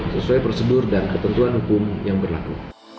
sesuai prosedur dan ketentuan hukum yang berlaku